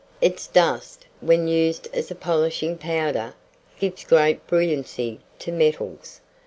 Its dust, when used as a polishing powder, gives great brilliancy to metals.